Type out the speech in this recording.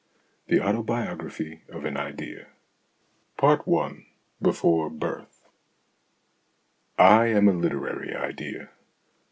THE AUTOBIOGRAPHY OF AN IDEA I BEFORE BIRTH I AM a literary idea.